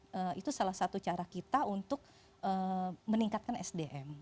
karena itu salah satu cara kita untuk meningkatkan sdm